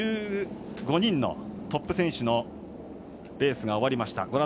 １５人のトップ選手のレースが終わりました。